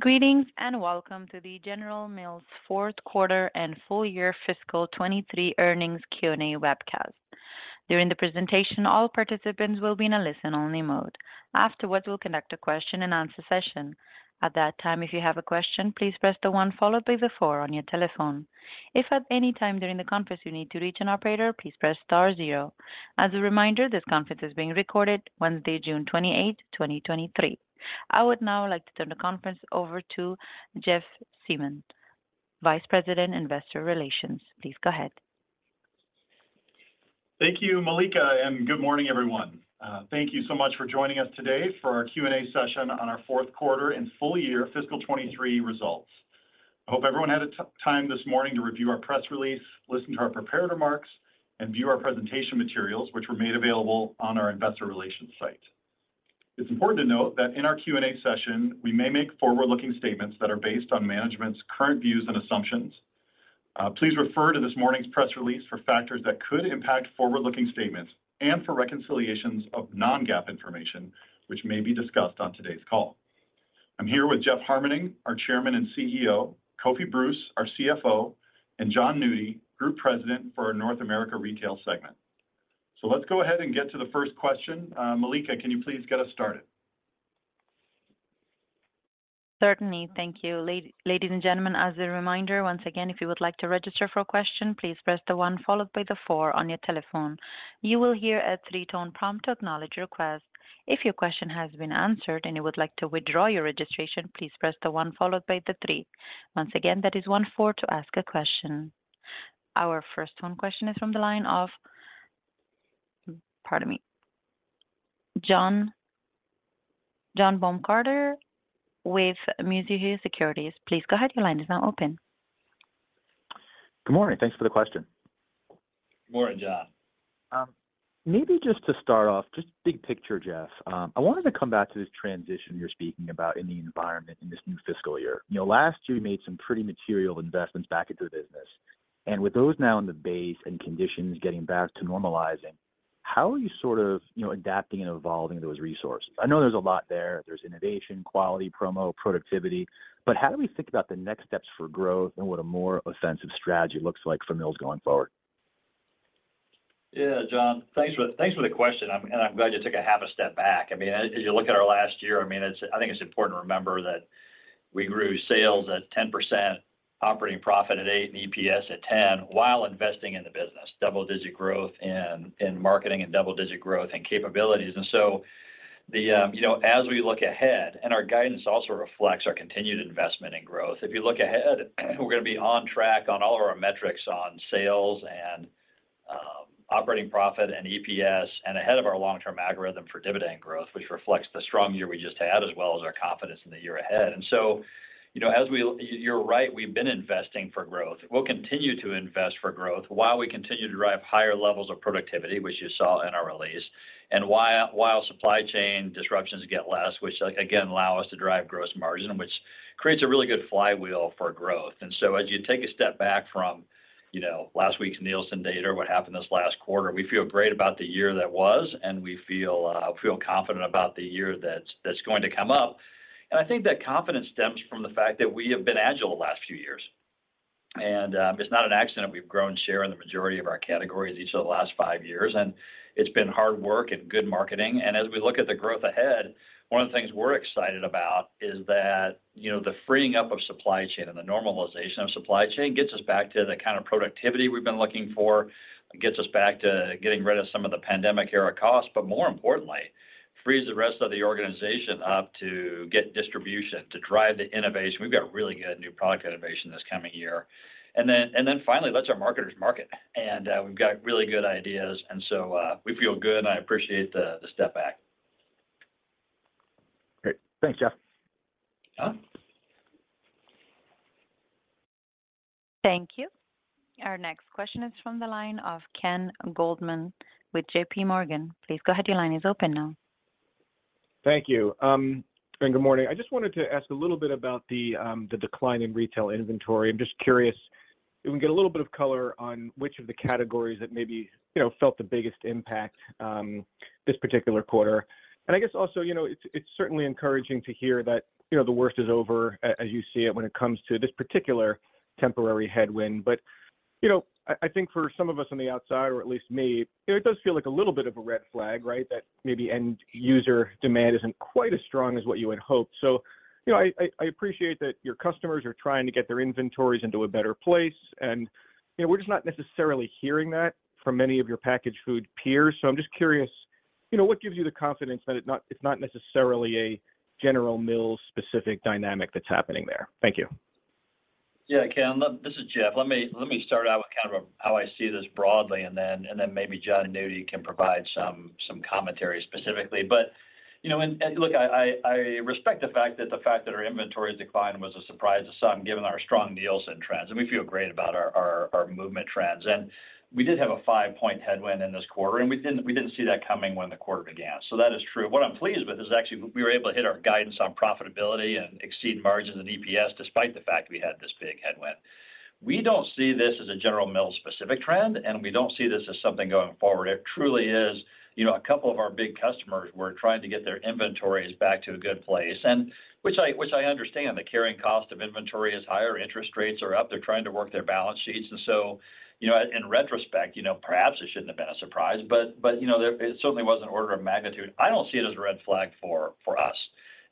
Greetings, welcome to the General Mills fourth quarter and full year fiscal 23 earnings Q&A webcast. During the presentation, all participants will be in a listen-only mode. Afterwards, we'll conduct a question-and-answer session. At that time, if you have a question, please press the 1 followed by the 4 on your telephone. If at any time during the conference you need to reach an operator, please press star 0. As a reminder, this conference is being recorded Wednesday, June 28, 2023. I would now like to turn the conference over to Jeff Siemon, Vice President, Investor Relations. Please go ahead. Thank you, Malika. Good morning, everyone. Thank you so much for joining us today for our Q&A session on our fourth quarter and full year fiscal 23 results. I hope everyone had a time this morning to review our press release, listen to our prepared remarks, and view our presentation materials, which were made available on our investor relations site. It's important to note that in our Q&A session, we may make forward-looking statements that are based on management's current views and assumptions. Please refer to this morning's press release for factors that could impact forward-looking statements and for reconciliations of non-GAAP information, which may be discussed on today's call. I'm here with Jeff Harmening, our Chairman and CEO; Kofi Bruce, our CFO; and Jon Nudi, Group President for our North America Retail segment. Let's go ahead and get to the first question. Malika, can you please get us started? Certainly. Thank you. Ladies and gentlemen, as a reminder, once again, if you would like to register for a question, please press 1 followed by 4 on your telephone. You will hear a 3-tone prompt to acknowledge your request. If your question has been answered and you would like to withdraw your registration, please press 1 followed by 3. Once again, that is 1, 4 to ask a question. Our first one question is from the line of, pardon me, John Baumgartner with Mizuho Securities. Please go ahead. Your line is now open. Good morning. Thanks for the question. Good morning, John. Maybe just to start off, just big picture, Jeff, I wanted to come back to this transition you're speaking about in the environment in this new fiscal year. You know, last year, we made some pretty material investments back into the business, and with those now in the base and conditions getting back to normalizing, how are you sort of, you know, adapting and evolving those resources? I know there's a lot there. There's innovation, quality, promo, productivity, but how do we think about the next steps for growth and what a more offensive strategy looks like for Mills going forward? Yeah, Jon, thanks for the question. I mean, as you look at our last year, I mean, I think it's important to remember that we grew sales at 10%, operating profit at 8%, and EPS at 10% while investing in the business, double-digit growth in marketing and double-digit growth in capabilities. So, you know, as we look ahead, our guidance also reflects our continued investment in growth. If you look ahead, we're going to be on track on all of our metrics on sales and operating profit and EPS and ahead of our long-term algorithm for dividend growth, which reflects the strong year we just had, as well as our confidence in the year ahead. So, you know, as we... You're right, we've been investing for growth. We'll continue to invest for growth while we continue to drive higher levels of productivity, which you saw in our release, and while supply chain disruptions get less, which again, allow us to drive gross margin, which creates a really good flywheel for growth. As you take a step back from, you know, last week's Nielsen data or what happened this last quarter, we feel great about the year that was, and we feel confident about the year that's going to come up. I think that confidence stems from the fact that we have been agile the last few years. It's not an accident we've grown share in the majority of our categories each of the last five years, and it's been hard work and good marketing. As we look at the growth ahead, one of the things we're excited about is that, you know, the freeing up of supply chain and the normalization of supply chain gets us back to the kind of productivity we've been looking for, gets us back to getting rid of some of the pandemic-era costs, but more importantly, frees the rest of the organization up to get distribution, to drive the innovation. We've got really good new product innovation this coming year. Finally, lets our marketers market. We've got really good ideas. We feel good, and I appreciate the step back. Great. Thanks, Jeff. Thank you. Our next question is from the line of Ken Goldman with JPMorgan. Please go ahead. Your line is open now. Thank you, and good morning. I just wanted to ask a little bit about the decline in retail inventory. I'm just curious if we can get a little bit of color on which of the categories that maybe, you know, felt the biggest impact this particular quarter. I guess also, you know, it's certainly encouraging to hear that, you know, the worst is over, as you see it, when it comes to this particular temporary headwind. You know, I think for some of us on the outside, or at least me, it does feel like a little bit of a red flag, right? That maybe end-user demand isn't quite as strong as what you had hoped. You know, I appreciate that your customers are trying to get their inventories into a better place, and, you know, we're just not necessarily hearing that from many of your packaged food peers. I'm just curious, you know, what gives you the confidence that it's not necessarily a General Mills-specific dynamic that's happening there? Thank you. Ken, this is Jeff. Let me start out with kind of how I see this broadly, and then maybe Jon Nudi can provide some commentary specifically. You know, and look, I respect the fact that our inventories decline was a surprise to some, given our strong Nielsen trends, and we feel great about our movement trends. We did have a 5-point headwind in this quarter, and we didn't see that coming when the quarter began. That is true. What I'm pleased with is actually we were able to hit our guidance on profitability and exceed margins and EPS, despite the fact we had this big headwind. We don't see this as a General Mills specific trend, and we don't see this as something going forward. It truly is, you know, a couple of our big customers were trying to get their inventories back to a good place, and which I understand. The carrying cost of inventory is higher, interest rates are up. They're trying to work their balance sheets, so, you know, in retrospect, you know, perhaps it shouldn't have been a surprise, but, you know, it certainly was an order of magnitude. I don't see it as a red flag for us,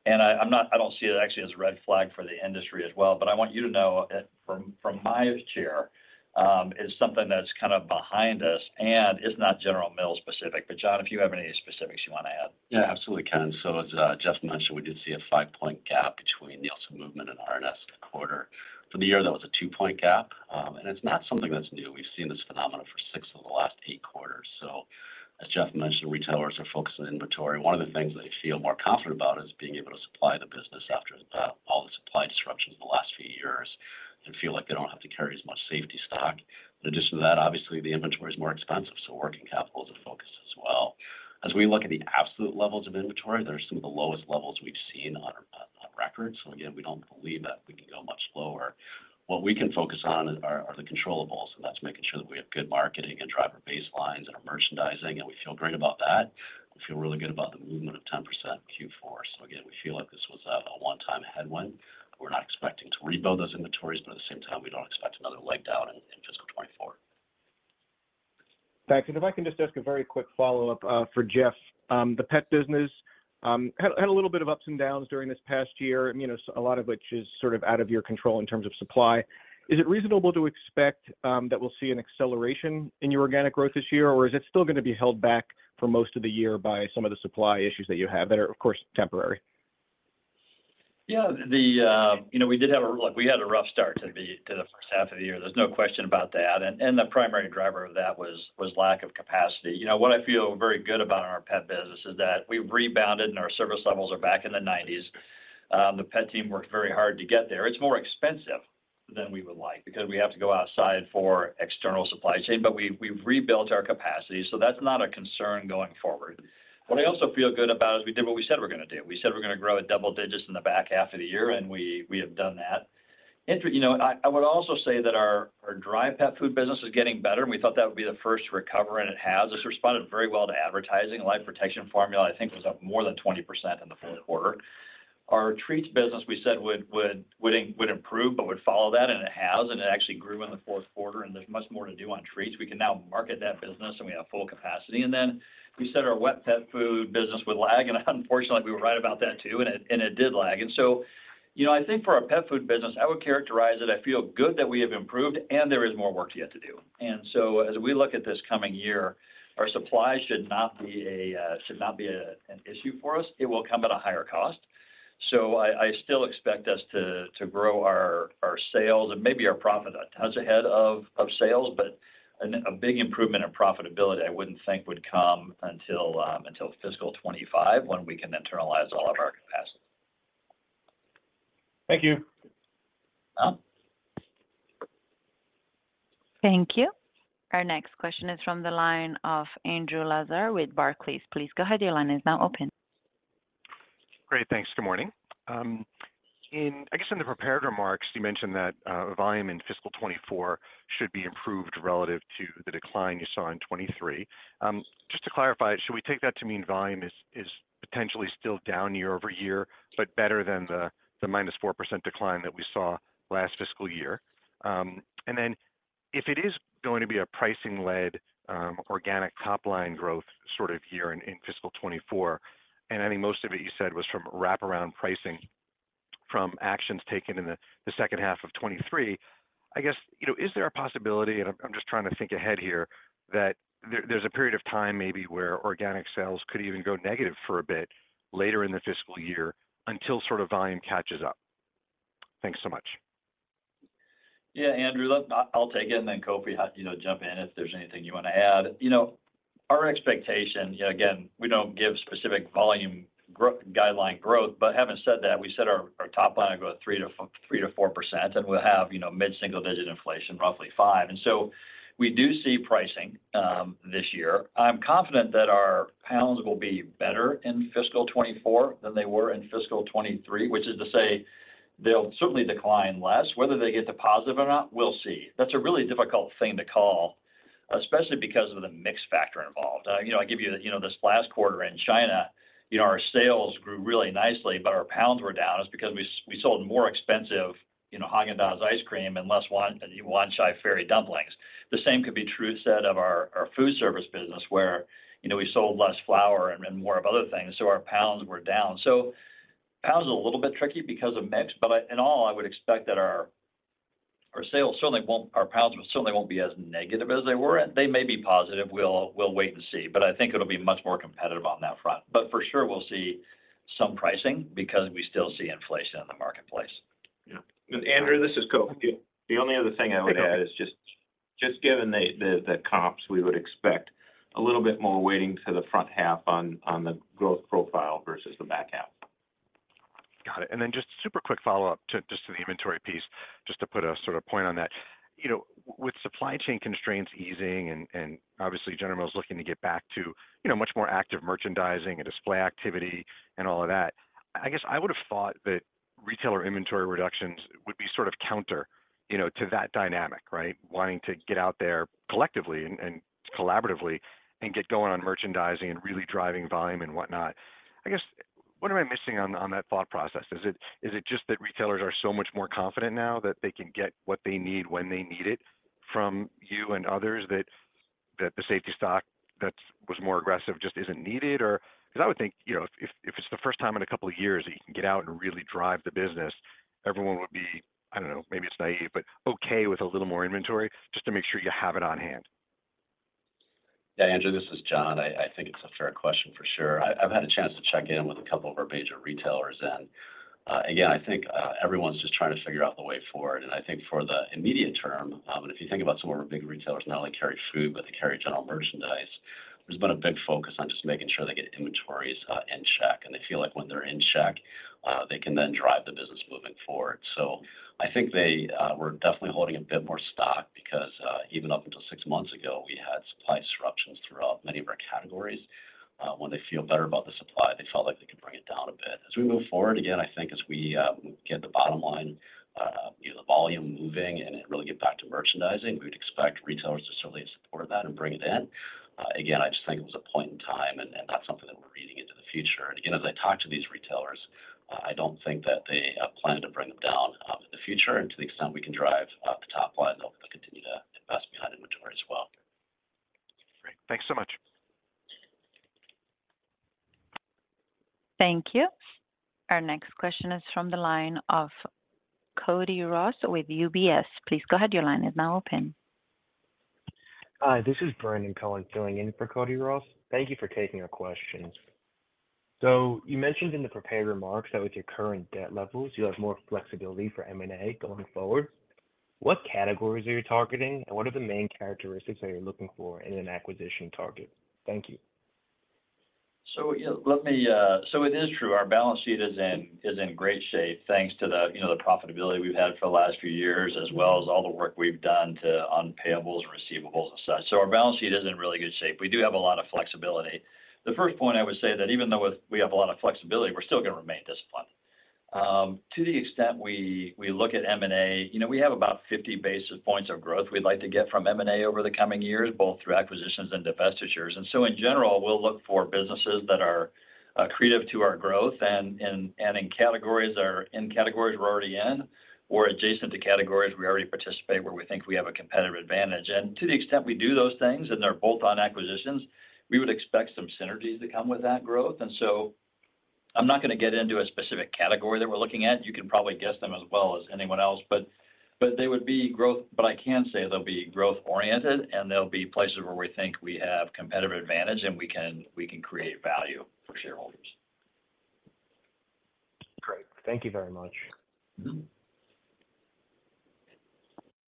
and I don't see it actually as a red flag for the industry as well. I want you to know that from my chair, it's something that's kind of behind us, and it's not General Mills specific. Jon, if you have any specifics you want to add? Yeah, absolutely, Ken. As Jeff mentioned, we did see a five-point gap between the Nielsen movement and RNS quarter. For the year, that was a two-point gap. It's not something that's new. We've seen this phenomenon for six of the last eight quarters. As Jeff mentioned, retailers are focused on inventory. One of the things they feel more confident about is being able to supply the business after all the supply disruptions in the last few years and feel like they don't have to carry as much safety stock. In addition to that, obviously, the inventory is more expensive, so working capital is a focus as well. As we look at the absolute levels of inventory, they're some of the lowest levels we've seen on a record. Again, we don't believe that we can go much lower. What we can focus on are the controllables, that's making sure that we have good marketing and driver baselines and are merchandising. We feel great about that. We feel really good about the movement of 10% Q4. Again, we feel like this was a one-time headwind. We're not expecting to rebuild those inventories, at the same time, we don't expect another leg down in fiscal 2024. Thanks. If I can just ask a very quick follow-up for Jeff. The pet business had a little bit of ups and downs during this past year. You know, a lot of which is sort of out of your control in terms of supply. Is it reasonable to expect that we'll see an acceleration in your organic growth this year, or is it still gonna be held back for most of the year by some of the supply issues that you have that are, of course, temporary? You know, we had a rough start to the first half of the year. There's no question about that, and the primary driver of that was lack of capacity. You know, what I feel very good about in our pet business is that we've rebounded, and our service levels are back in the 90s. The pet team worked very hard to get there. It's more expensive than we would like because we have to go outside for external supply chain, but we've rebuilt our capacity, so that's not a concern going forward. What I also feel good about is we did what we said we're gonna do. We said we're gonna grow at double digits in the back half of the year, and we have done that. You know, I would also say that our dry pet food business is getting better, and we thought that would be the first to recover, and it has. It's responded very well to advertising. Life Protection Formula, I think, was up more than 20% in the fourth quarter. Our treats business, we said would improve but would follow that, and it has, and it actually grew in the fourth quarter, and there's much more to do on treats. We can now market that business, and we have full capacity. Then we said our wet pet food business would lag, and unfortunately, we were right about that too, and it, and it did lag. You know, I think for our pet food business, I would characterize it, I feel good that we have improved, and there is more work yet to do. As we look at this coming year, our supply should not be an issue for us. It will come at a higher cost. I still expect us to grow our sales and maybe our profit a touch ahead of sales, but a big improvement in profitability I wouldn't think would come until fiscal 25, when we can internalize all of our capacity. Thank you. Thank you. Our next question is from the line of Andrew Lazar with Barclays. Please go ahead. Your line is now open. Great, thanks. Good morning. I guess in the prepared remarks, you mentioned that volume in fiscal 2024 should be improved relative to the decline you saw in 2023. Just to clarify, should we take that to mean volume is potentially still down year-over-year, but better than the minus 4% decline that we saw last fiscal year? If it is going to be a pricing-led, organic top-line growth sort of year in fiscal 2024, and I think most of it you said was from wraparound pricing from actions taken in the second half of 2023. I guess, you know, is there a possibility, and I'm just trying to think ahead here, that there's a period of time maybe where organic sales could even go negative for a bit later in the fiscal year until sort of volume catches up? Thanks so much. Yeah, Andrew, I'll take it, and then Kofi, you know, jump in if there's anything you want to add. You know, our expectation, you know, again, we don't give specific volume guideline growth, but having said that, we said our top line will grow 3% to 4%, and we'll have, you know, mid-single digit inflation, roughly 5%. We do see pricing this year. I'm confident that our pounds will be better in fiscal 2024 than they were in fiscal 2023, which is to say they'll certainly decline less. Whether they get to positive or not, we'll see. That's a really difficult thing to call, especially because of the mix factor involved. You know, I give you know, this last quarter in China, you know, our sales grew really nicely, but our pounds were down. It's because we sold more expensive, you know, Häagen-Dazs ice cream and less Wanchai Ferry Dumplings. The same could be true, said, of our food service business, where, you know, we sold less flour and more of other things, so our pounds were down. Pounds are a little bit tricky because of mix, but in all, I would expect that our pounds certainly won't be as negative as they were, and they may be positive. We'll wait and see, but I think it'll be much more competitive on that front. For sure, we'll see some pricing because we still see inflation in the marketplace. Yeah. Andrew, this is Kofi. The only other thing I would add- Hi, Kofi. is just given the comps, we would expect a little bit more weighting to the front half on the growth profile versus the back half. Got it. Just super quick follow-up to, just to the inventory piece, just to put a sort of point on that. You know, with supply chain constraints easing and obviously, General Mills looking to get back to, you know, much more active merchandising and display activity and all of that. I guess I would have thought that retailer inventory reductions would be sort of counter, you know, to that dynamic, right? Wanting to get out there collectively and collaboratively and get going on merchandising and really driving volume and whatnot. I guess, what am I missing on that thought process? Is it just that retailers are so much more confident now that they can get what they need when they need it from you and others, that the safety stock that was more aggressive just isn't needed? Because I would think, you know, if, if it's the first time in a couple of years that you can get out and really drive the business, everyone would be, I don't know, maybe it's naive, but okay with a little more inventory just to make sure you have it on hand. Yeah, Andrew, this is Jon. I think it's a fair question for sure. I've had a chance to check in with a couple of our major retailers. Again, I think everyone's just trying to figure out the way forward. I think for the immediate term, and if you think about some of our big retailers, not only carry food, but they carry general merchandise, there's been a big focus on just making sure they get inventories in check, and they feel like when they're in check, they can then drive the business moving forward. I think they were definitely holding a bit more stock because even up until 6 months ago, we had supply disruptions throughout many of our categories. When they feel better about the supply, they felt like they could bring it down a bit. As we move forward again, I think as we get the bottom line, you know, the volume moving and it really get back to merchandising, we would expect retailers to certainly support that and bring it in. Again, I just think it was a point in time and not something that we're reading into the future. Again, as I talk to these retailers, I don't think that they plan to bring them down in the future. To the extent we can drive the top line, they'll continue to invest behind inventory as well. Great. Thanks so much. Thank you. Our next question is from the line of Cody Ross with UBS. Please go ahead. Your line is now open. Hi, this is Brandon Cohen filling in for Cody Ross. Thank you for taking our questions. You mentioned in the prepared remarks that with your current debt levels, you have more flexibility for M&A going forward. What categories are you targeting, and what are the main characteristics that you're looking for in an acquisition target? Thank you. You know, let me. It is true, our balance sheet is in great shape, thanks to the, you know, the profitability we've had for the last few years, as well as all the work we've done on payables and receivables and such. Our balance sheet is in really good shape. We do have a lot of flexibility. The first point, I would say that even though we have a lot of flexibility, we're still going to remain disciplined. To the extent we look at M&A, you know, we have about 50 basis points of growth we'd like to get from M&A over the coming years, both through acquisitions and divestitures. In general, we'll look for businesses that are creative to our growth and in categories we're already in or adjacent to categories we already participate, where we think we have a competitive advantage. To the extent we do those things, and they're both on acquisitions, we would expect some synergies to come with that growth. I'm not going to get into a specific category that we're looking at. You can probably guess them as well as anyone else, but I can say they'll be growth-oriented, and they'll be places where we think we have competitive advantage, and we can create value for shareholders. Great. Thank you very much.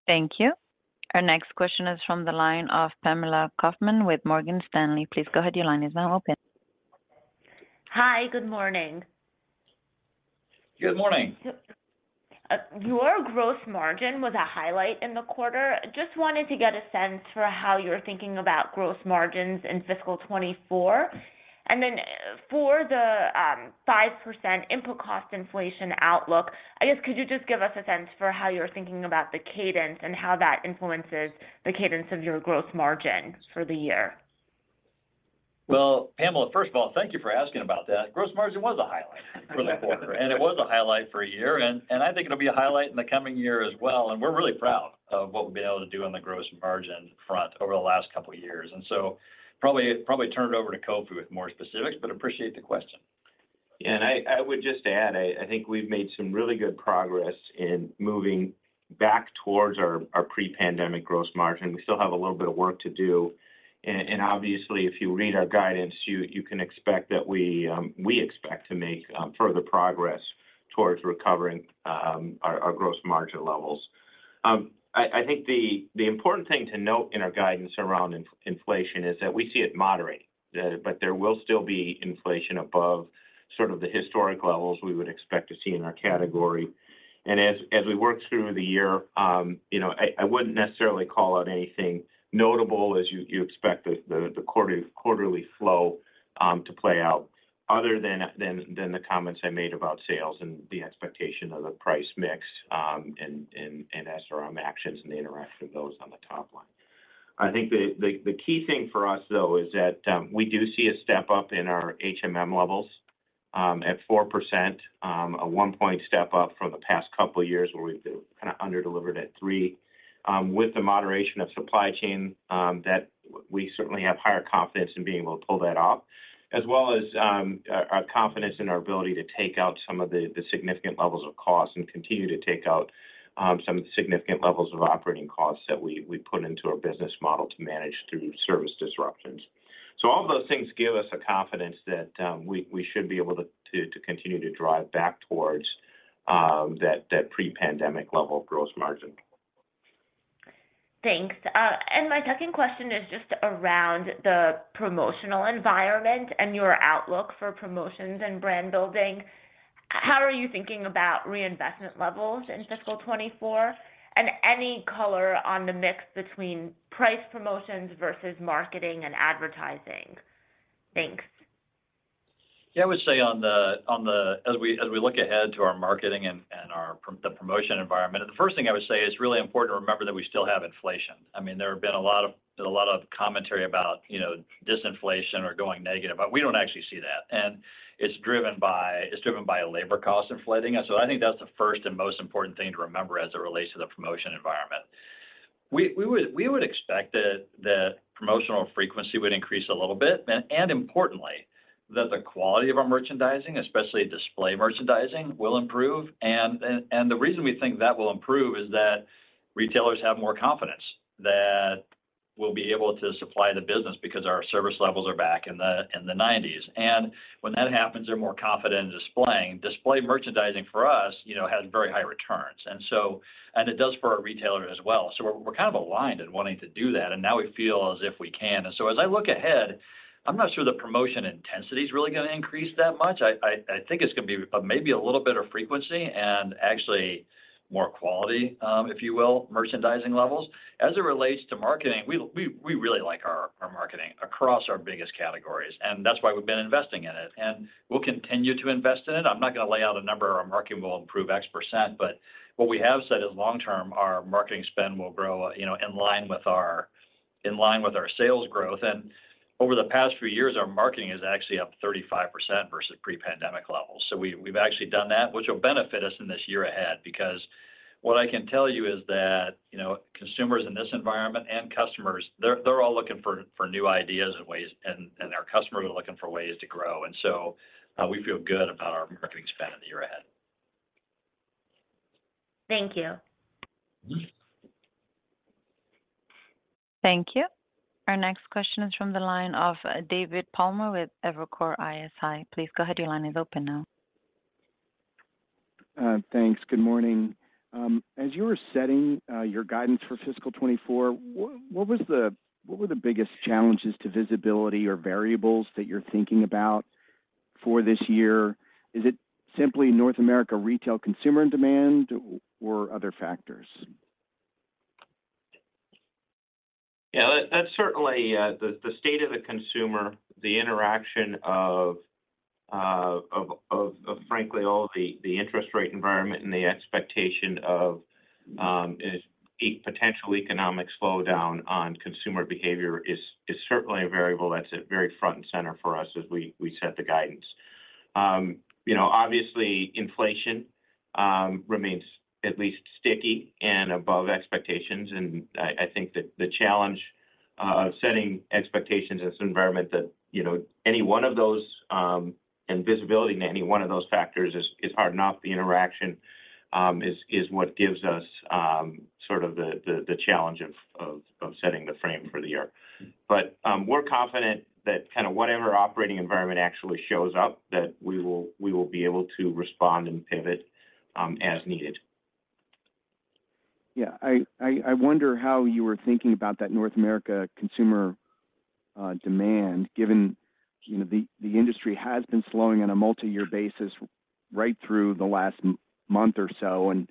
Thank you. Our next question is from the line of Pamela Kaufman with Morgan Stanley. Please go ahead. Your line is now open. Hi, good morning. Good morning. Your gross margin was a highlight in the quarter. Just wanted to get a sense for how you're thinking about gross margins in fiscal 2024. For the 5% input cost inflation outlook, I guess, could you just give us a sense for how you're thinking about the cadence and how that influences the cadence of your gross margin for the year? Pamela, first of all, thank you for asking about that. Gross margin was a highlight for the quarter, and it was a highlight for a year, and I think it'll be a highlight in the coming year as well. We're really proud of what we've been able to do on the gross margin front over the last couple of years. Probably turn it over to Kofi with more specifics, but appreciate the question. I would just add, I think we've made some really good progress in moving back towards our pre-pandemic gross margin. We still have a little bit of work to do, and obviously, if you read our guidance, you can expect that we expect to make further progress towards recovering our gross margin levels. I think the important thing to note in our guidance around in-inflation is that we see it moderating, but there will still be inflation above sort of the historic levels we would expect to see in our category. As we work through the year, you know, I wouldn't necessarily call out anything notable as you expect the quarterly flow to play out, other than the comments I made about sales and the expectation of the price mix and SRM actions and the interaction of those on the top line. I think the key thing for us, though, is that we do see a step-up in our HMM levels at 4%, a one-point step-up from the past couple of years where we've kind of underdelivered at 3%. With the moderation of supply chain, that we certainly have higher confidence in being able to pull that off, as well as, our confidence in our ability to take out some of the significant levels of cost and continue to take out, some significant levels of operating costs that we put into our business model to manage through service disruptions. All of those things give us the confidence that, we should be able to continue to drive back towards, that pre-pandemic level of gross margin. Thanks. My second question is just around the promotional environment and your outlook for promotions and brand building?... How are you thinking about reinvestment levels in fiscal 2024? Any color on the mix between price promotions versus marketing and advertising? Thanksould say on the as we look ahead to our marketing and our promotion environment, the first thing I would say is it's really important to remember that we still have inflation. I mean, there have been a lot of commentary about, you know, disinflation or going negative, but we don't actually see that. It's driven by labor cost inflating. I think that's the first and most important thing to remember as it relates to the promotion environment. We would expect that promotional frequency would increase a little bit, and importantly, that the quality of our merchandising, especially display merchandising, will improve. The reason we think that will improve is that retailers have more confidence that we'll be able to supply the business because our service levels are back in the 90s. When that happens, they're more confident in displaying. Display merchandising for us, you know, has very high returns, and it does for our retailer as well. We're kind of aligned in wanting to do that, and now we feel as if we can. As I look ahead, I'm not sure the promotion intensity is really gonna increase that much. I think it's gonna be, maybe a little bit of frequency and actually more quality, if you will, merchandising levels. As it relates to marketing, we really like our marketing across our biggest categories, and that's why we've been investing in it, and we'll continue to invest in it. I'm not gonna lay out a number, our marketing will improve X%, but what we have said is long term, our marketing spend will grow, you know, in line with our sales growth. Over the past few years, our marketing is actually up 35% versus pre-pandemic levels. We've actually done that, which will benefit us in this year ahead, because what I can tell you is that, you know, consumers in this environment and customers, they're all looking for new ideas and ways, and our customers are looking for ways to grow. We feel good about our marketing spend in the year ahead. Thank you. Thank you. Our next question is from the line of David Palmer with Evercore ISI. Please go ahead. Your line is open now. Thanks. Good morning. As you were setting your guidance for fiscal 2024, what were the biggest challenges to visibility or variables that you're thinking about for this year? Is it simply North America Retail consumer demand or other factors? Yeah, that's certainly the state of the consumer, the interaction of frankly, all the interest rate environment and the expectation of a potential economic slowdown on consumer behavior is certainly a variable that's at very front and center for us as we set the guidance. You know, obviously, inflation remains at least sticky and above expectations, and I think that the challenge of setting expectations in this environment that, you know, any one of those, and visibility into any one of those factors is hard enough. The interaction is what gives us sort of the challenge of setting the frame for the year. We're confident that kind of whatever operating environment actually shows up, that we will be able to respond and pivot as needed. Yeah. I wonder how you were thinking about that North America consumer demand, given, you know, the industry has been slowing on a multi-year basis right through the last month or so. I'm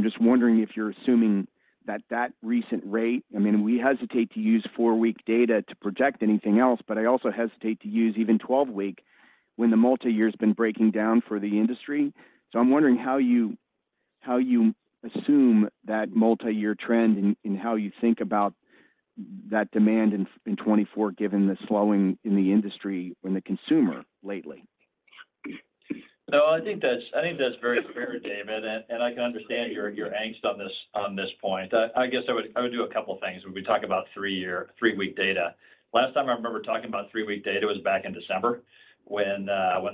just wondering if you're assuming that that recent rate, I mean, we hesitate to use 4-week data to project anything else, but I also hesitate to use even 12-week when the multiyear has been breaking down for the industry. I'm wondering how you assume that multiyear trend and how you think about that demand in 2024, given the slowing in the industry when the consumer lately? No, I think that's, I think that's very fair, David, and I can understand your angst on this point. I guess I would do a couple of things when we talk about 3-week data. Last time I remember talking about 3-week data was back in December when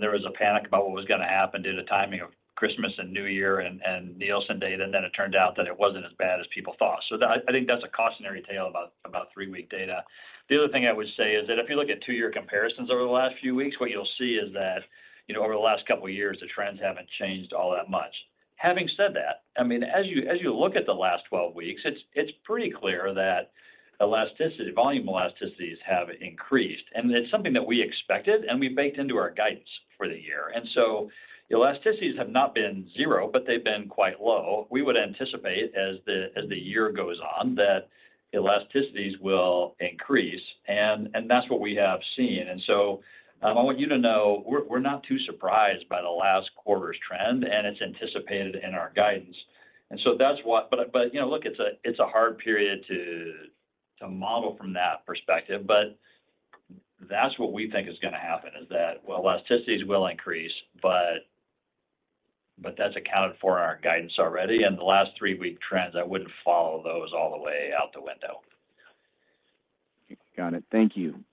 there was a panic about what was gonna happen due to the timing of Christmas and New Year and Nielsen data, and then it turned out that it wasn't as bad as people thought. I think that's a cautionary tale about 3-week data. The other thing I would say is that if you look at 2-year comparisons over the last few weeks, what you'll see is that, you know, over the last couple of years, the trends haven't changed all that much. Having said that, I mean, as you look at the last 12 weeks, it's pretty clear that elasticity, volume elasticities have increased, and it's something that we expected, and we baked into our guidance for the year. Elasticities have not been zero, but they've been quite low. We would anticipate as the year goes on, that elasticities will increase, and that's what we have seen. I want you to know, we're not too surprised by the last quarter's trend, and it's anticipated in our guidance. That's what, but, you know, look, it's a hard period to model from that perspective, but that's what we think is gonna happen, is that, well, elasticities will increase, but that's accounted for in our guidance already. The last 3-week trends, I wouldn't follow those all the way out the window. Got it. Thank you.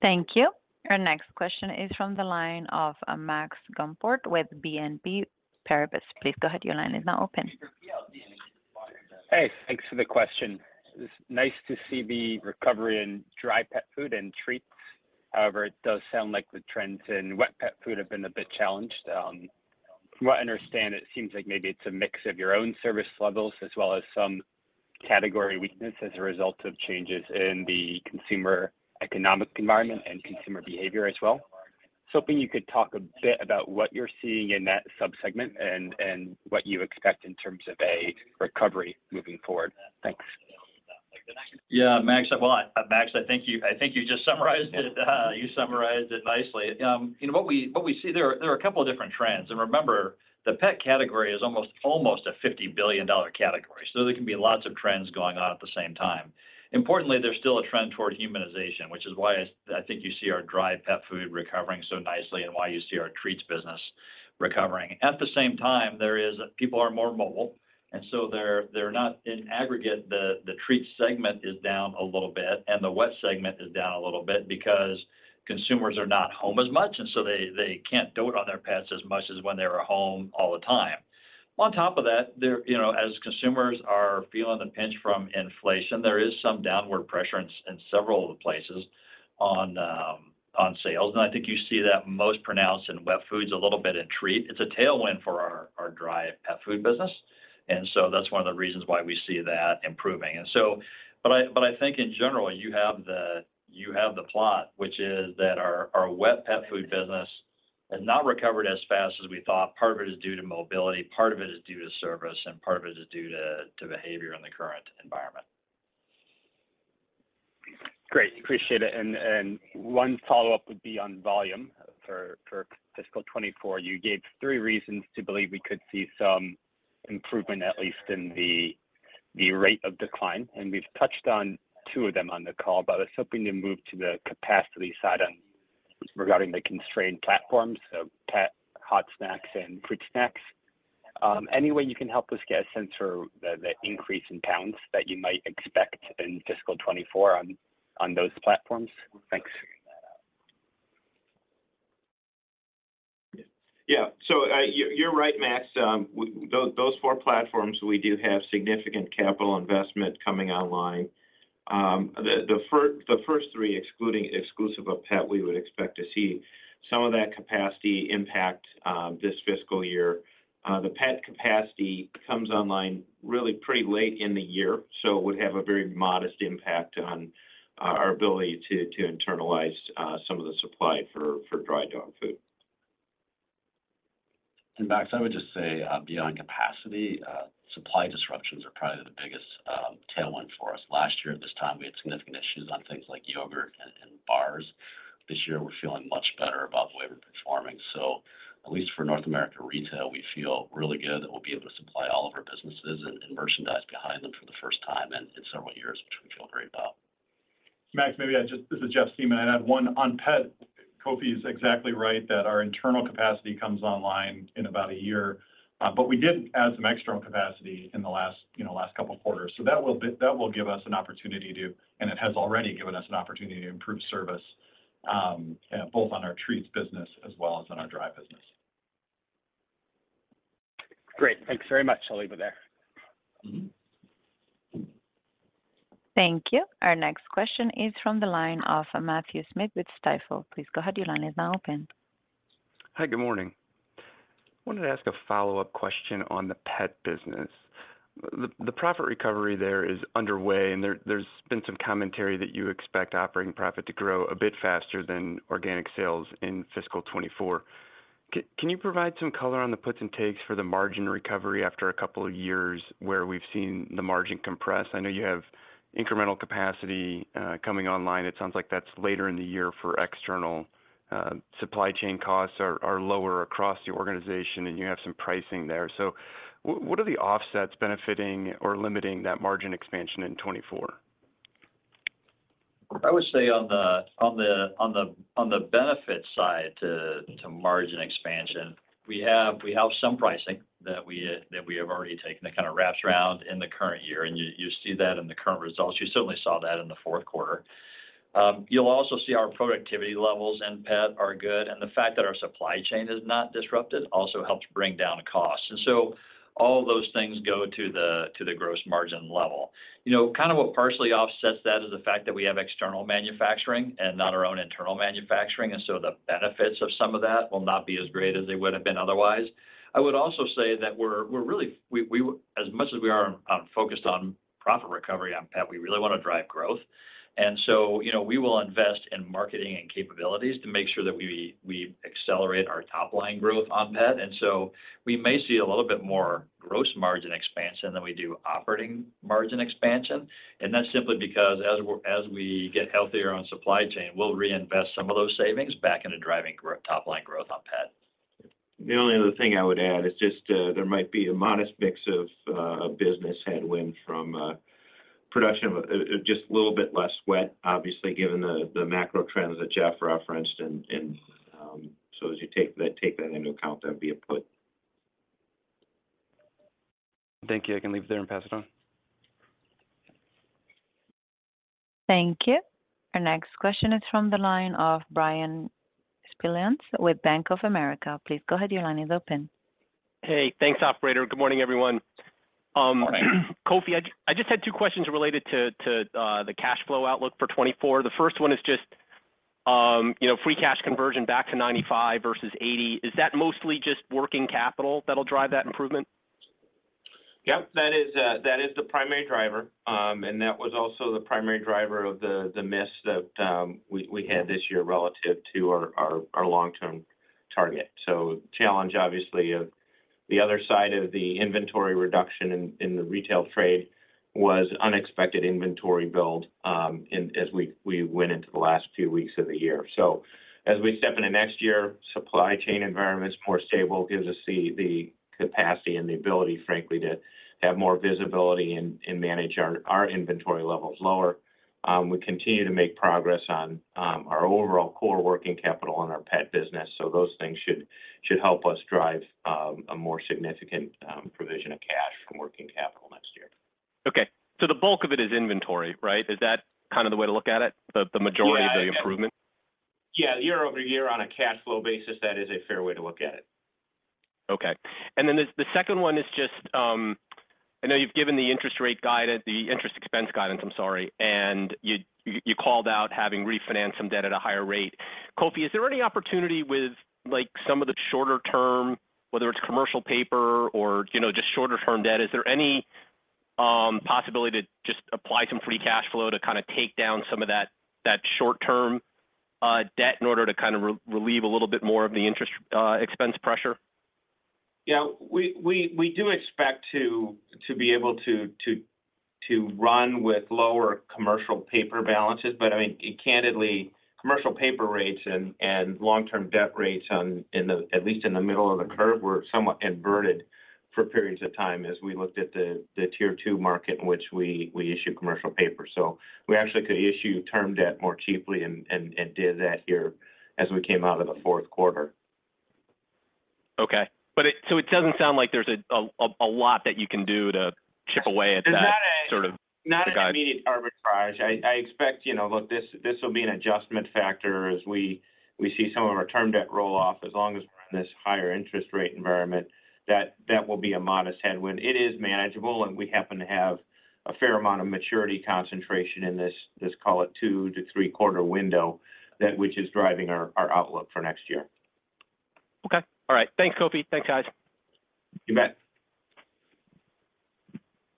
Thank you. Our next question is from the line of Max Gumport with BNP Paribas. Please go ahead. Your line is now open. Hey, thanks for the question. It's nice to see the recovery in dry pet food and treats. However, it does sound like the trends in wet pet food have been a bit challenged. From what I understand, it seems like maybe it's a mix of your own service levels as well as some category weakness as a result of changes in the consumer economic environment and consumer behavior as well. Hoping you could talk a bit about what you're seeing in that subsegment, and what you expect in terms of a recovery moving forward. Thanks. Max, I think you just summarized it. You summarized it nicely. You know, what we see there are a couple of different trends. Remember, the pet category is almost a $50 billion category, so there can be lots of trends going on at the same time. Importantly, there's still a trend toward humanization, which is why I think you see our dry pet food recovering so nicely and why you see our treats business recovering. At the same time, people are more mobile, and so they're not... In aggregate, the treats segment is down a little bit, and the wet segment is down a little bit because consumers are not home as much, and so they can't dote on their pets as much as when they were home all the time. On top of that, you know, as consumers are feeling the pinch from inflation, there is some downward pressure in several of the places on sales. I think you see that most pronounced in wet foods a little bit in treat. It's a tailwind for our dry pet food business, and so that's one of the reasons why we see that improving. But I think in general, you have the plot, which is that our wet pet food business has not recovered as fast as we thought. Part of it is due to mobility, part of it is due to service, and part of it is due to behavior in the current environment. Great, appreciate it. One follow-up would be on volume for fiscal 2024. You gave three reasons to believe we could see some improvement, at least in the rate of decline. We've touched on two of them on the call, but I was hoping to move to the capacity side regarding the constrained platforms, so pet, hot snacks, and fruit snacks. Any way you can help us get a sense for the increase in pounds that you might expect in fiscal 2024 on those platforms? Thanks. Yeah. you're right, Max. those 4 platforms, we do have significant capital investment coming online. The first 3, excluding exclusive of pet, we would expect to see some of that capacity impact this fiscal year. The pet capacity comes online really pretty late in the year, so it would have a very modest impact on our ability to internalize some of the supply for dry dog food. Max, I would just say, beyond capacity, supply disruptions are probably the biggest tailwind for us. Last year at this time, we had significant issues on things like yogurt and bars. This year, we're feeling much better about the way we're performing. At least for North America Retail, we feel really good that we'll be able to supply all of our businesses and merchandise behind them for the first time in several years, which we feel great about. Max, this is Jeff Siemon. I'd add one on pet. Kofi is exactly right that our internal capacity comes online in about a year, but we did add some external capacity in the last, you know, last couple of quarters. That will give us an opportunity to, and it has already given us an opportunity to improve service, both on our treats business as well as on our dry business. Great. Thanks very much. I'll leave it there. Thank you. Our next question is from the line of Matthew Smith with Stifel. Please go ahead. Your line is now open. Hi, good morning. I wanted to ask a follow-up question on the pet business. The profit recovery there is underway, and there's been some commentary that you expect operating profit to grow a bit faster than organic sales in fiscal 24. Can you provide some color on the puts and takes for the margin recovery after a couple of years where we've seen the margin compress? I know you have incremental capacity coming online. It sounds like that's later in the year for external. Supply chain costs are lower across the organization, and you have some pricing there. What are the offsets benefiting or limiting that margin expansion in 24? I would say on the benefit side to margin expansion, we have some pricing that we have already taken that kind of wraps around in the current year, and you see that in the current results. You certainly saw that in the fourth quarter. You'll also see our productivity levels in pet are good, and the fact that our supply chain is not disrupted also helps bring down costs. All those things go to the gross margin level. You know, kind of what partially offsets that is the fact that we have external manufacturing and not our own internal manufacturing, and so the benefits of some of that will not be as great as they would have been otherwise. I would also say that we're really we, as much as we are focused on profit recovery on pet, we really want to drive growth. You know, we will invest in marketing and capabilities to make sure that we accelerate our top-line growth on pet. We may see a little bit more gross margin expansion than we do operating margin expansion, and that's simply because as we get healthier on supply chain, we'll reinvest some of those savings back into driving top-line growth on pet. The only other thing I would add is just, there might be a modest mix of, business headwind from, production of, just a little bit less wet, obviously, given the macro trends that Jeff referenced. As you take that, take that into account, that'd be a put. Thank you. I can leave it there and pass it on. Thank you. Our next question is from the line of Bryan Spillane with Bank of America. Please go ahead, your line is open. Hey, thanks, operator. Good morning, everyone. Good morning. Kofi, I just had two questions related to the cash flow outlook for 2024. You know, free cash conversion back to 95% versus 80%, is that mostly just working capital that'll drive that improvement? Yep. That is, that is the primary driver. That was also the primary driver of the miss that we had this year relative to our long-term target. Challenge, obviously, of the other side of the inventory reduction in the retail trade was unexpected inventory build as we went into the last few weeks of the year. As we step into next year, supply chain environment is more stable, gives us the capacity and the ability, frankly, to have more visibility and manage our inventory levels lower. We continue to make progress on our overall core working capital in our pet business. Those things should help us drive a more significant provision of cash from working capital next year. Okay. The bulk of it is inventory, right? Is that kind of the way to look at it, the majority- Yeah of the improvement? Year-over-year on a cash flow basis, that is a fair way to look at it. Okay. The second one is just, I know you've given the interest expense guidance, I'm sorry, and you called out having refinanced some debt at a higher rate. Kofi, is there any opportunity with, like, some of the shorter term, whether it's commercial paper or, you know, just shorter-term debt, is there any possibility to just apply some free cash flow to kind of take down some of that short-term debt in order to kind of relieve a little bit more of the interest expense pressure? Yeah, we do expect to be able to run with lower commercial paper balances. I mean, candidly, commercial paper rates and long-term debt rates at least in the middle of the curve, were somewhat inverted for periods of time as we looked at the tier two market in which we issue commercial paper. We actually could issue term debt more cheaply and did that here as we came out of the fourth quarter. Okay. So it doesn't sound like there's a lot that you can do to chip away at that. There's not. sort of guide not an immediate arbitrage. I expect, you know, look, this will be an adjustment factor as we see some of our term debt roll off as long as we're in this higher interest rate environment, that will be a modest headwind. It is manageable. We happen to have a fair amount of maturity concentration in this, call it, 2 to 3-quarter window, that which is driving our outlook for next year. Okay. All right. Thanks, Kofi. Thanks, guys. You bet.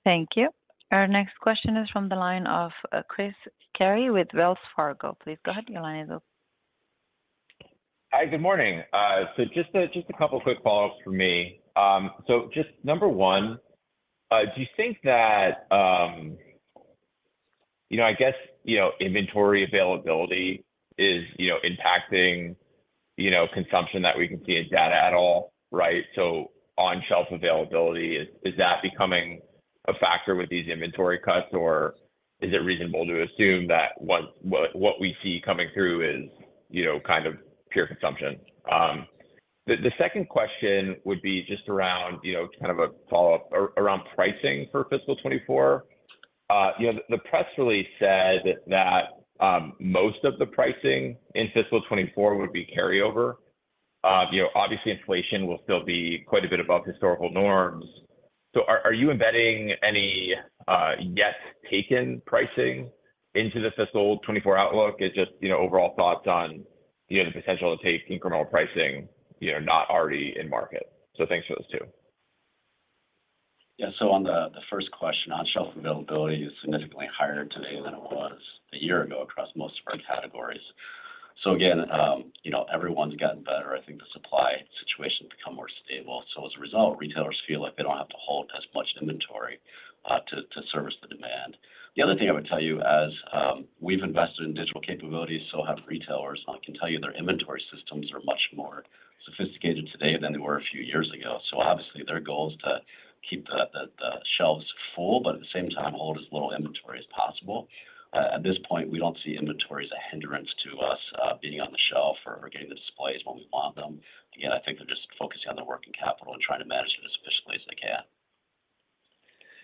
Thank you. Our next question is from the line of Chris Carey with Wells Fargo. Please go ahead, your line is open. Hi, good morning. just a couple quick follow-ups for me. just number one, do you think that, you know, I guess, you know, inventory availability is, you know, impacting, you know, consumption that we can see in data at all, right? on-shelf availability, is that becoming a factor with these inventory cuts, or is it reasonable to assume that what we see coming through is, you know, kind of pure consumption? the second question would be just around, you know, kind of a follow-up around pricing for fiscal 2024. you know, the press release said that, most of the pricing in fiscal 2024 would be carryover. you know, obviously, inflation will still be quite a bit above historical norms. Are you embedding any yet-taken pricing into the fiscal 24 outlook? It's just, you know, overall thoughts on, you know, the potential to take incremental pricing, you know, not already in market. Thanks for those two. On the first question, on-shelf availability is significantly higher today than it was a year ago across most of our categories. Again, you know, everyone's gotten better. I think the supply situation has become more stable. As a result, retailers feel like they don't have to hold as much inventory to service the demand. The other thing I would tell you as we've invested in digital capabilities, so have retailers. I can tell you their inventory systems are much more sophisticated today than they were a few years ago. Obviously, their goal is to keep the shelves full, but at the same time, hold as little inventory as possible. At this point, we don't see inventory as a hindrance to us being on the shelf or getting the displays when we want them. Again, I think they're just focusing on their working capital and trying to manage it as efficiently as they can.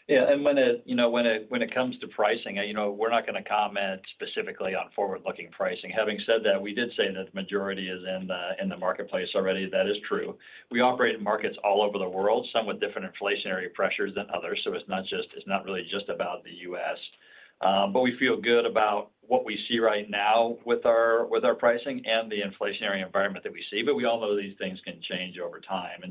Yeah, when it, you know, when it comes to pricing, you know, we're not going to comment specifically on forward-looking pricing. Having said that, we did say that the majority is in the, in the marketplace already. That is true. We operate in markets all over the world, some with different inflationary pressures than others. It's not really just about the U.S. We feel good about what we see right now with our pricing and the inflationary environment that we see, but we all know these things can change over time.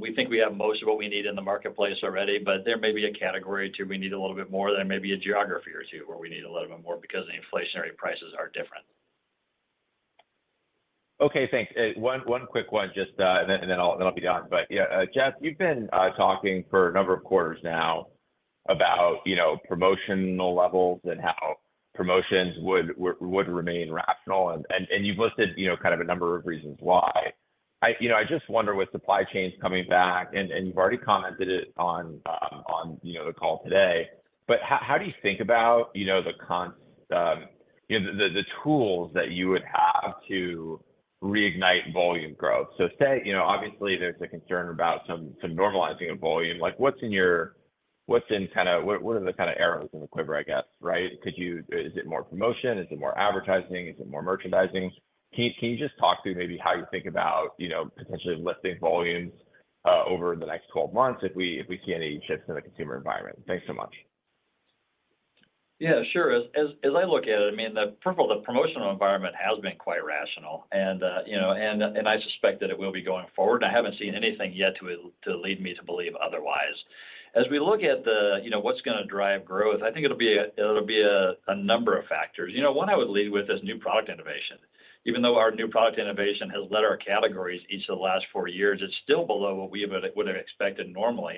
We think we have most of what we need in the marketplace already, but there may be a category or two we need a little bit more, there may be a geography or two where we need a little bit more because the inflationary prices are different. Okay, thanks. One quick one, just and then I'll be done. Yeah, Jeff, you've been talking for a number of quarters now about, you know, promotional levels and how promotions would remain rational, and you've listed, you know, kind of a number of reasons why. You know, I just wonder, with supply chains coming back, and you've already commented it on, you know, the call today, but how do you think about, you know, the tools that you would have to reignite volume growth? Say, you know, obviously there's a concern about some normalizing of volume. Like, what are the kind of arrows in the quiver, I guess, right? Is it more promotion? Is it more advertising? Is it more merchandising? Can you just talk through maybe how you think about, you know, potentially lifting volumes?... over the next 12 months if we, if we see any shifts in the consumer environment? Thanks so much. Yeah, sure. As I look at it, I mean, the first of all, the promotional environment has been quite rational, and, you know, I suspect that it will be going forward. I haven't seen anything yet to lead me to believe otherwise. As we look at the, you know, what's gonna drive growth, I think it'll be a number of factors. You know, one I would lead with is new product innovation. Even though our new product innovation has led our categories each of the last four years, it's still below what we would have expected normally.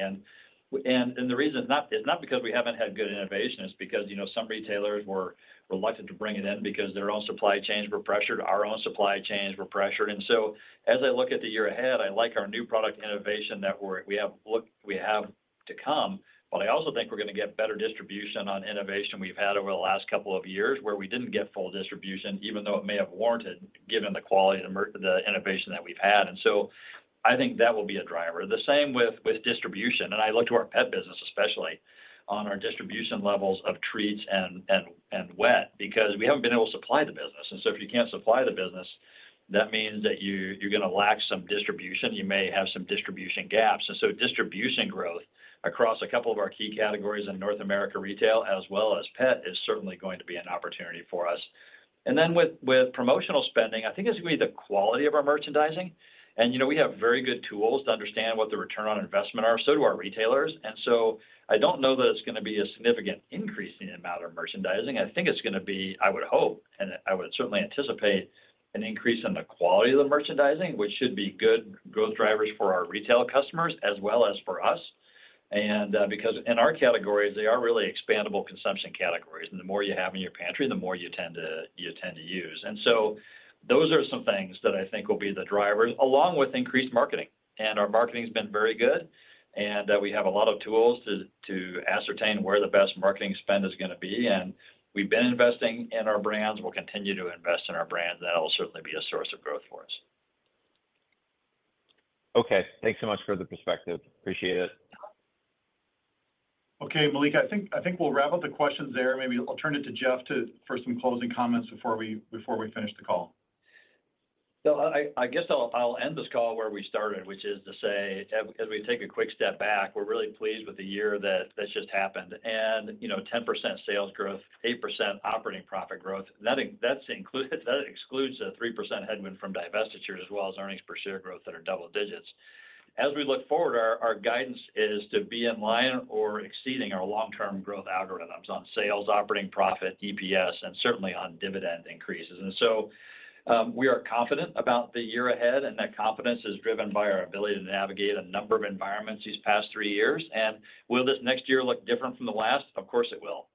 The reason is not because we haven't had good innovation, it's because, you know, some retailers were reluctant to bring it in because their own supply chains were pressured, our own supply chains were pressured. As I look at the year ahead, I like our new product innovation that we have to come, but I also think we're gonna get better distribution on innovation we've had over the last couple of years, where we didn't get full distribution, even though it may have warranted, given the quality and the innovation that we've had. I think that will be a driver. The same with distribution, and I look to our pet business, especially on our distribution levels of treats and wet, because we haven't been able to supply the business. If you can't supply the business, that means that you're gonna lack some distribution, you may have some distribution gaps. Distribution growth across a couple of our key categories in North America Retail, as well as pet, is certainly going to be an opportunity for us. Then with promotional spending, I think it's going to be the quality of our merchandising. You know, we have very good tools to understand what the return on investment are, so do our retailers. I don't know that it's gonna be a significant increase in the amount of merchandising. I think it's gonna be, I would hope, and I would certainly anticipate, an increase in the quality of the merchandising, which should be good growth drivers for our retail customers as well as for us. Because in our categories, they are really expandable consumption categories, and the more you have in your pantry, the more you tend to use. Those are some things that I think will be the drivers, along with increased marketing. Our marketing has been very good, and we have a lot of tools to ascertain where the best marketing spend is gonna be, and we've been investing in our brands. We'll continue to invest in our brands, and that'll certainly be a source of growth for us. Okay, thanks so much for the perspective. Appreciate it. Okay, Malika, I think we'll wrap up the questions there. Maybe I'll turn it to Jeff for some closing comments before we finish the call. I guess I'll end this call where we started, which is to say, as we take a quick step back, we're really pleased with the year that just happened. You know, 10% sales growth, 8% operating profit growth, that excludes the 3% headwind from divestitures, as well as earnings per share growth that are double digits. As we look forward, our guidance is to be in line or exceeding our long-term growth algorithms on sales, operating profit, EPS, and certainly on dividend increases. We are confident about the year ahead, and that confidence is driven by our ability to navigate a number of environments these past three years. Will this next year look different from the last? Of course, it will.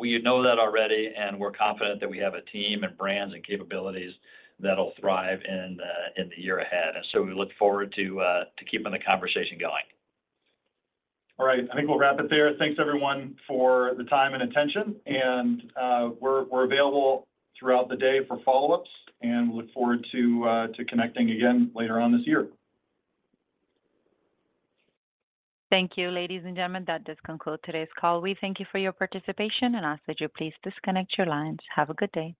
We know that already, and we're confident that we have a team and brands and capabilities that'll thrive in the, in the year ahead. We look forward to keeping the conversation going. All right. I think we'll wrap it there. Thanks, everyone, for the time and attention, and we're available throughout the day for follow-ups, and we look forward to connecting again later on this year. Thank you, ladies and gentlemen. That does conclude today's call. We thank you for your participation and ask that you please disconnect your lines. Have a good day.